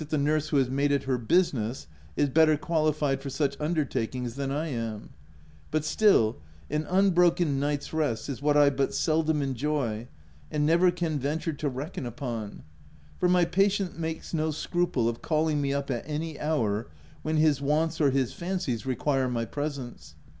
L 218 THE TENANT who has made it her business, is better qualified for such undertakings than I am ; but still, an unbroken night's rest is what I but seldom enjoy, and never can venture to reckon upon ; for my patient makes no scruple of calling me up at any hour when his wants or his fancies re quire my presence.